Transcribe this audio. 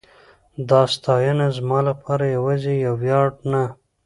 دا ستاینه زما لپاره یواځې یو ویاړ نه